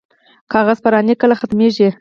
کاغذ پراني کله ختمیږي؟